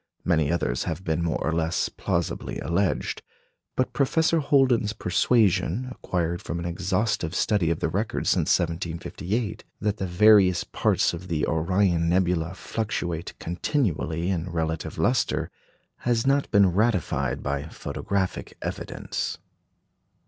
Many others have been more or less plausibly alleged; but Professor Holden's persuasion, acquired from an exhaustive study of the records since 1758, that the various parts of the Orion nebula fluctuate continually in relative lustre, has not been ratified by photographic evidence.